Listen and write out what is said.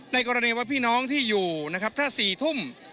ในกรณีวัตถ์พี่น้องที่อยู่ถ้าศรีท่ม